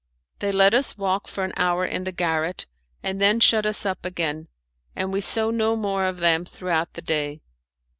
They let us walk for an hour in the garret and then shut us up again, and we saw no more of them throughout the day.